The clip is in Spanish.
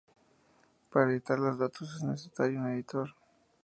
Para editar los datos es necesario un editor.